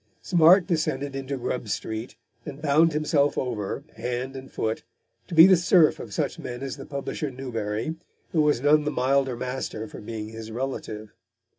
Smart descended into Grub Street, and bound himself over, hand and foot, to be the serf of such men as the publisher Newbery, who was none the milder master for being his relative.